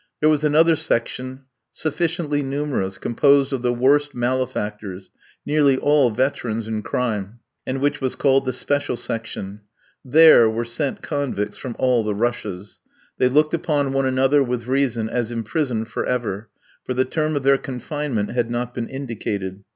There was another section sufficiently numerous, composed of the worst malefactors, nearly all veterans in crime, and which was called the special section. There were sent convicts from all the Russias. They looked upon one another with reason as imprisoned for ever, for the term of their confinement had not been indicated.